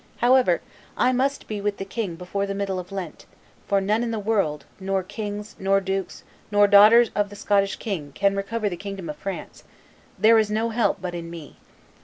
However, I must be with the king before the middle of Lent, for none in the world, nor kings, nor dukes, nor daughter of the Scottish king can recover the kingdom of France; there is no help but in me.